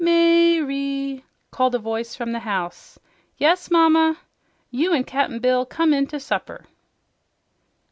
May re!" called a voice from the house. "Yes, Mamma!" "You an' Cap'n Bill come in to supper."